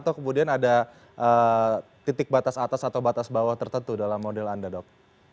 atau kemudian ada titik batas atas atau batas bawah tertentu dalam model anda dok